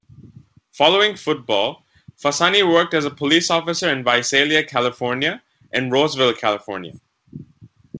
Following football, Fasani worked as a police officer in Visalia, California and Roseville, California.